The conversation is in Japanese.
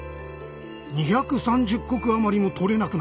２３０石余りもとれなくなったか。